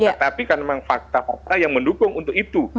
tetapi karena memang fakta fakta yang mendukung untuk itu